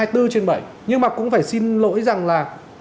trên bảy nhưng mà cũng phải xin lỗi rằng là